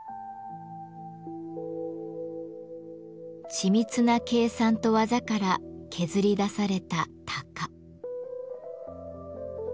緻密な計算と技から削り出された「鷹」。